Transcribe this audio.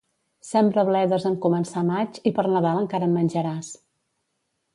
Sembra bledes en començar maig i per Nadal encara en menjaràs.